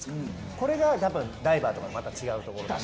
これがダイバーとはまた違うところです。